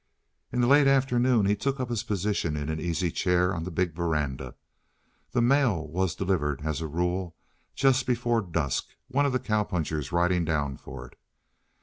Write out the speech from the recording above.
In the late afternoon he took up his position in an easy chair on the big veranda. The mail was delivered, as a rule, just before dusk, one of the cow punchers riding down for it.